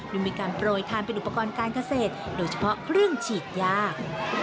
โดยมีการโปรยทานเป็นอุปกรณ์การเกษตรโดยเฉพาะเครื่องฉีดยา